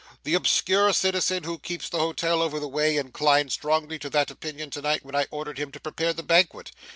The obscure citizen who keeps the hotel over the way, inclined strongly to that opinion to night when I ordered him to prepare the banquet.